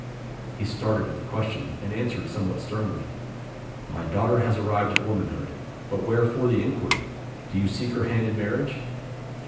He started at the question, and answered somewhat sternly. 'My daughter has arrived at womanhood. But wherefore the inquiry? Do you seek her hand in marriage?'